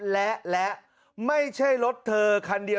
และและไม่ใช่รถเธอคันเดียว